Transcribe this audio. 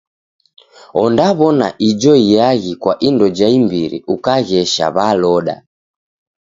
Ondaw'ona ijo iaghi kwa indo ja imbiri ukaghesha waloda.